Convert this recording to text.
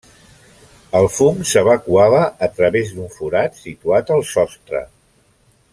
El fum s'evacuava a través d'un forat situat al sostre.